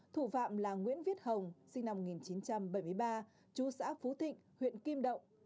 thủ phạm là nguyễn viết hồng sinh năm một nghìn chín trăm bảy mươi ba chú xã phú thịnh huyện kim động